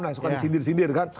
nah suka disindir sindir kan